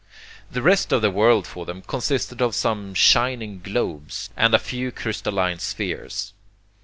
The rest of the world for them consisted of some shining globes and a few crystalline spheres.